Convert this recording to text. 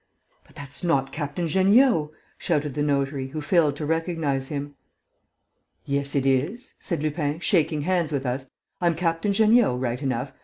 "But that's not Captain Jeanniot!" shouted the notary, who failed to recognize him. "Yes, it is," said Lupin, shaking hands with us. "I'm Captain Jeanniot right enough